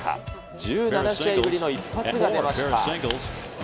１７試合ぶりの一発が出ました。